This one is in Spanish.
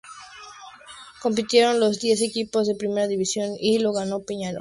Compitieron los diez equipos de Primera División y lo ganó Peñarol.